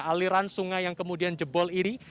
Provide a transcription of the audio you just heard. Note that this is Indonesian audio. aliran sungai yang kemudian jebol ini